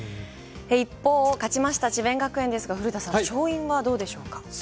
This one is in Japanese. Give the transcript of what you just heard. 一方、勝ちました智弁学園ですが、古田さん、勝因はどうでしょうか。